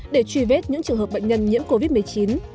để truy vết những trường hợp bệnh nhân nhiễm covid một mươi chín